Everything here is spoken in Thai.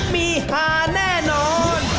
มีฮาแน่นอน